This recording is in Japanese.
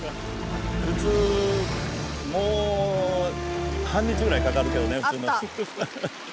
普通もう半日ぐらいかかるけどね。